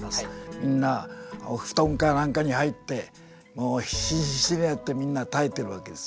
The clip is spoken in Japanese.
みんなお布団か何かに入ってもう必死に必死になってみんな耐えてるわけですよね。